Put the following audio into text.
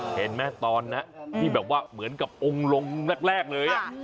เห็นไหมตอนนั้นที่แบบว่าเหมือนกับองค์ลงแรกเลย